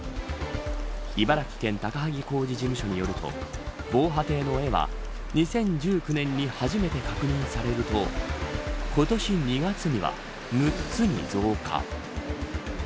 茨城県高萩工事事務所によると防波堤の絵は、２０１９年に初めて確認されると今年２月には６つに増加。